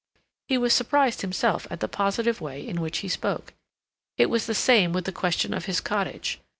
He was surprised himself at the positive way in which he spoke. It was the same with the question of his cottage.